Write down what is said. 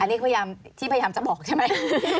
อันนี้พยายามที่พยายามจะบอกใช่ไหม